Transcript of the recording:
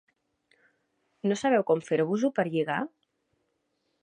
No sabeu com fer-vos-ho per lligar?